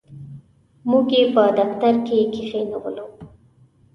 موږ یې په دفتر کې کښېنولو.